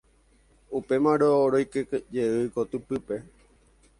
Upémarõ roikejey kotypýpe.